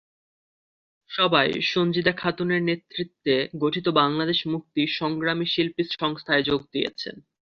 সবাই সন্জীদা খাতুনের নেতৃত্বে গঠিত বাংলাদেশ মুক্তি সংগ্রামী শিল্পী সংস্থায় যোগ দিয়েছেন।